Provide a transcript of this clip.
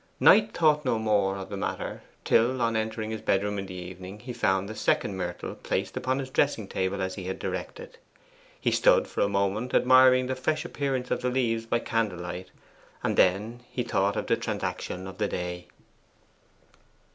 Knight thought no more of the matter till, on entering his bedroom in the evening, he found the second myrtle placed upon his dressing table as he had directed. He stood for a moment admiring the fresh appearance of the leaves by candlelight, and then he thought of the transaction of the day.